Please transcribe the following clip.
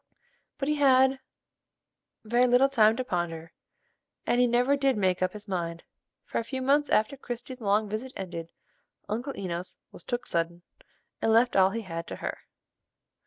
But he had very little time to ponder, and he never did make up his mind; for a few months after Christie's long visit ended, Uncle Enos "was took suddin'," and left all he had to her.